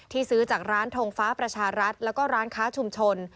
ซื้อจากร้านทงฟ้าประชารัฐแล้วก็ร้านค้าชุมชน